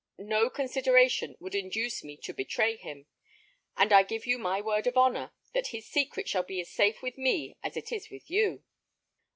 No consideration would induce me to betray him; and I give you my word of honour that his secret shall be as safe with me as it is with you."